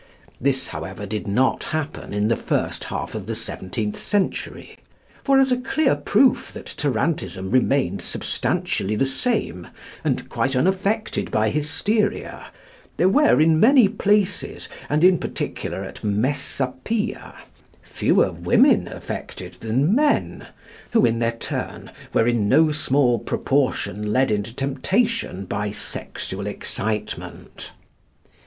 This, however, did not happen in the first half of the seventeenth century; for, as a clear proof that tarantism remained substantially the same and quite unaffected by hysteria, there were in many places, and in particular at Messapia, fewer women affected than men, who, in their turn, were in no small proportion led into temptation by sexual excitement.